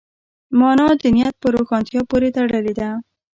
مانا د نیت په روښانتیا پورې تړلې ده.